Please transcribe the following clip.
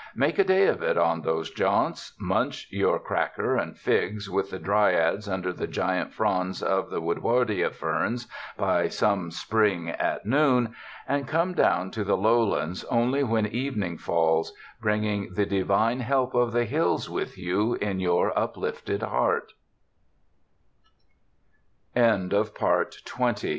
Make a day of it on these jaunts; munch your cracker and figs with the dryads under the giant fronds of the woodwardia ferns by some spring at noon; and come down to the lowlands only when evening falls, bringing the divine help of the hills with you in your upl